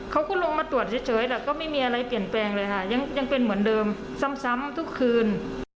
เขาก็ลงมาตรวจเฉยแต่ก็ไม่มีอะไรเปลี่ยนแปลงเลยค่ะยังเป็นเหมือนเดิมซ้ำทุกคืน